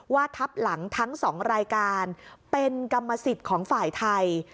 ทับหลังทั้ง๒รายการเป็นกรรมสิทธิ์ของฝ่ายไทย